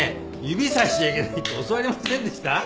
指さしちゃいけないって教わりませんでした？